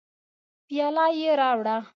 پیاله یې راوړه.